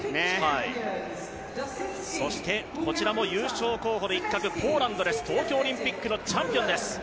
そしてこちらも優勝候補の一角ポーランドです、東京オリンピックのチャンピオンです。